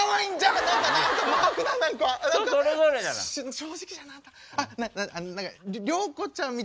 正直じゃなあんた。